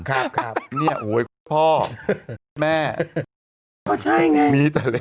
พ่อแม่มีแต่ก้าว